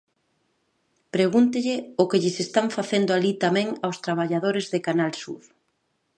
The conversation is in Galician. Pregúntelle o que lles están facendo alí tamén aos traballadores de Canal Sur.